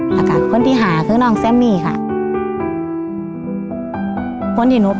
ลองกันถามอีกหลายเด้อ